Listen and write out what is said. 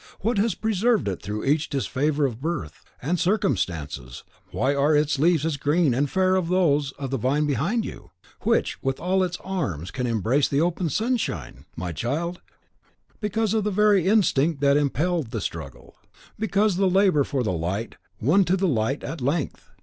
What has preserved it through each disfavour of birth and circumstances, why are its leaves as green and fair as those of the vine behind you, which, with all its arms, can embrace the open sunshine? My child, because of the very instinct that impelled the struggle, because the labour for the light won to the light at length.